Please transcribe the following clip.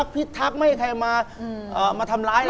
พี่ธักไม่เป็นใครมามาทำล้ายเรา